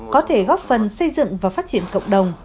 có thể góp phần xây dựng và phát triển cộng đồng